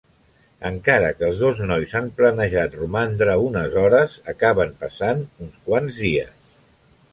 Encara que els dos nois han planejat romandre unes hores, acaben passant uns quants dies.